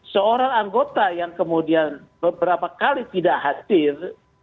seorang anggota yang kemudian beberapa kali tidak hadir